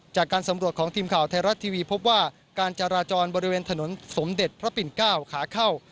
จากการสำรวจของทีมข่าวไทยรัฐทีวีพบว่าการจราจรบริเวณถนนสมเด็จพระปิ่นเก้าขาเข้า